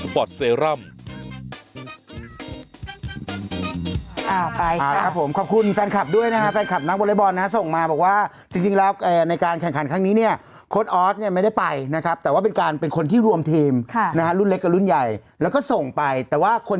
เพราะเราก็จะส่งกำลังการตอนนี้ต้องเชียร์เพราะว่า